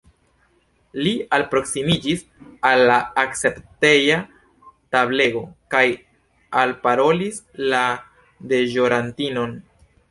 Li alproksimiĝis al la akcepteja tablego kaj alparolis la deĵorantinon.